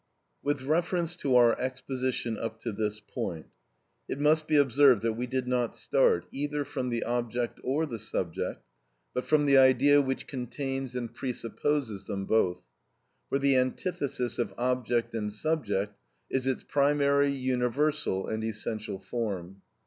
§ 7. With reference to our exposition up to this point, it must be observed that we did not start either from the object or the subject, but from the idea, which contains and presupposes them both; for the antithesis of object and subject is its primary, universal and essential form.